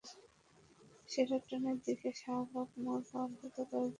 শেরাটনের দিকে শাহবাগ মোড় পার হতে কয়েকজন নারী প্রতিনিধির সঙ্গে দেখা।